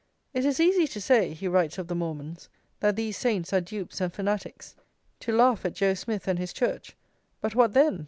"It is easy to say," he writes of the Mormons, "that these saints are dupes and fanatics, to laugh at Joe Smith and his church, but what then?